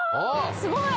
すごい！